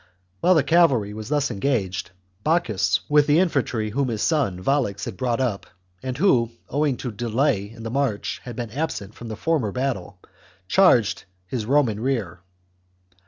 While the cavalr>' were thus engaged, Bocchus, with the infantry whom his son Volux had brought up, and who, owing to a delay in the march, had been absent from the former battle, charged his Roman rear.